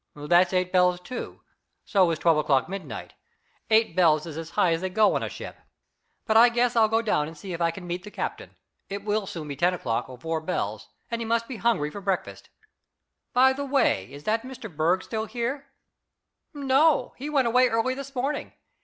"That's eight bells, too; so is twelve o'clock midnight. Eight bells is as high as they go on a ship. But I guess I'll go down and see if I can meet the captain. It will soon be ten o'clock, or four bells, and he must be hungry for breakfast. By the way, is that Mr. Berg still here?" "No; he went away early this morning.